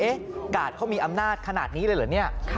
กาดเขามีอำนาจขนาดนี้เลยเหรอเนี่ย